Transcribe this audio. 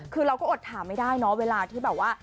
คือเราก็อดถามไม่ได้เนาะเวลาที่แบบว่า